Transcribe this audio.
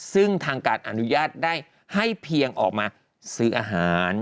ซึ่งทางการอนุญาตได้ให้เพียงออกมาซื้ออาหาร